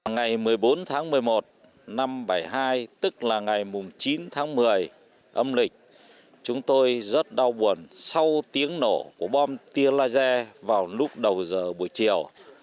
ngày một mươi bốn tháng một mươi một năm bảy mươi hai tức là ngày chín tháng một mươi âm lịch chúng tôi rất đau buồn sau tiếng nổ của bom tia laser vào lúc đầu giờ buổi chiều